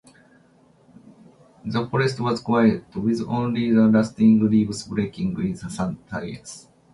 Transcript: The forest was quiet, with only the rustling leaves breaking the silence.